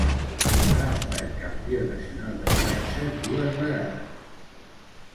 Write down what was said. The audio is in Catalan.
Ha estat campió nacional de França dos vegades.